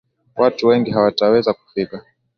Watu wengi hawataweza kufika